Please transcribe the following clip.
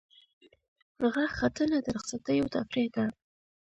غره ختنه د رخصتیو تفریح ده.